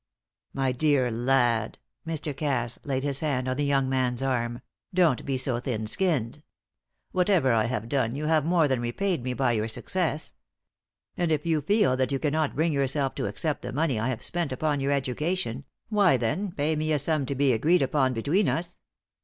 "My dear lad" Mr. Cass laid his hand on the young man's arm "don't be so thin skinned. Whatever I have done, you have more than repaid me by your success. And if you feel that you cannot bring yourself to accept the money I have spent upon your education, why, then, pay me a sum to be agreed upon between us.